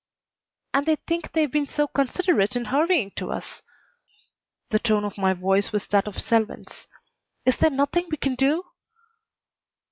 "And they think they've been so considerate in hurrying to us!" The tone of my voice was that of Selwyn's. "Is there nothing we can do?"